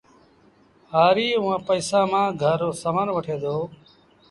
هآريٚ اُئآݩ پئيٚسآݩ مآݩ گھر رو سامآݩ وٺي دو